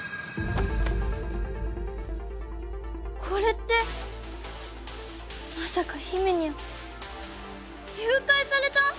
これってまさかひめにゃん誘拐された！？